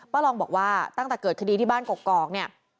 ลองบอกว่าตั้งแต่เกิดคดีที่บ้านกอกเนี่ย